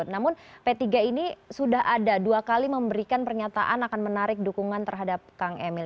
namun p tiga ini sudah ada dua kali memberikan pernyataan akan menarik dukungan terhadap kang emil